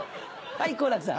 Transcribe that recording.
はい好楽さん。